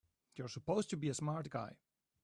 You're supposed to be a smart guy!